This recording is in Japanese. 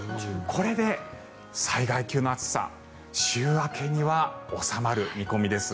これで災害級の暑さ週明けには収まる見込みです。